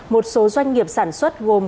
một số doanh nghiệp sản xuất gồm